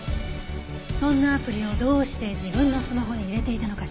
そんなアプリをどうして自分のスマホに入れていたのかしら？